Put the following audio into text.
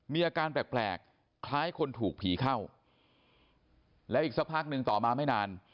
มีอาการแปลกแปลกคล้ายคนถูกผีเข้าแล้วอีกสักพักหนึ่งต่อมาไม่นาน